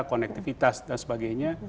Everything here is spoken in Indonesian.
konektivitas dan sebagainya